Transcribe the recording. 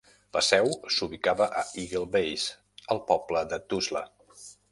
La seu s'ubicava a Eagle Base, al poble de Tuzla.